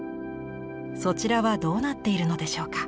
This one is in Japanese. そちらはどうなっているのでしょうか。